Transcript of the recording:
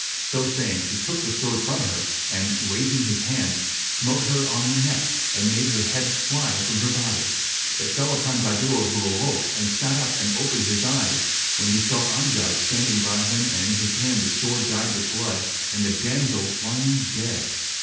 So saying, he took the sword from her and, raising his hand, smote her on the neck and made her head fly from her body. It fell upon Bahadur who awoke and sat up and opened his eyes, when he saw Amjad standing by him and in his hand the sword dyed with blood, and the damsel lying dead.